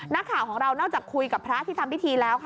นักข่าวของเรานอกจากคุยกับพระที่ทำพิธีแล้วค่ะ